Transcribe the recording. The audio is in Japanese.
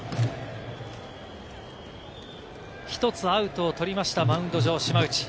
１つアウト取りました、マウンド上の島内。